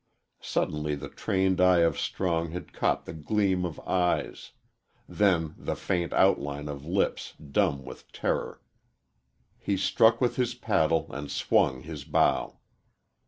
Suddenly the trained eye of Strong had caught the gleam of eyes then the faint outline of lips dumb with terror. He struck with his paddle and swung his bow.